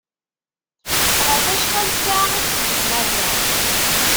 Ɣef acḥal ssaɛa i d-tewwḍem ar da?